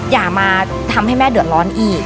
อย่ามาทำให้แม่เดือดร้อนอีก